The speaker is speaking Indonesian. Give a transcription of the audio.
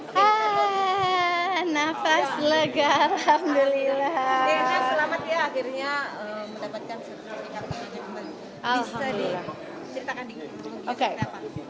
hai nah pas lega alhamdulillah akhirnya